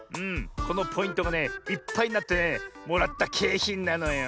このポイントがねいっぱいになってねもらったけいひんなのよ。